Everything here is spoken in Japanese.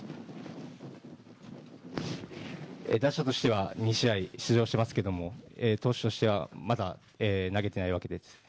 打者としては２試合出場していますけども、投手としてはまだ投げていないわけです。